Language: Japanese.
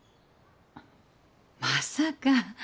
まさか。